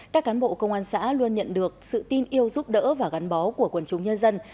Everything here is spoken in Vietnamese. các cán bộ công an xã luôn nhận được sự tin yêu giúp đỡ và gắn bó của quần chúng nhân dân